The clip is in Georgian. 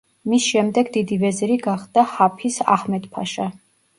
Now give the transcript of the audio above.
მის შემდეგ დიდი ვეზირი გახდა ჰაფიზ აჰმედ-ფაშა.